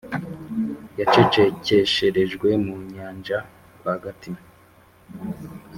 Yacecekesherejwe mu nyanja rwagati